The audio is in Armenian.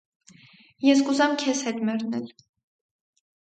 - Ես կուզեմ քեզ հետ մեռնել…